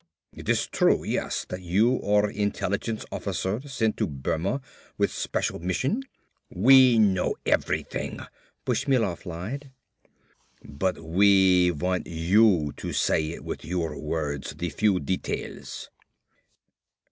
It is true, yes, that you are intelligence officer sent to Burma with special mission? We know everything," Bushmilov lied, "but we want you say it with your words the few details."